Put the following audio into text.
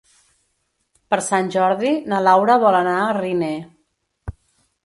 Per Sant Jordi na Laura vol anar a Riner.